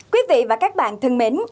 quý vị và các bạn thân mến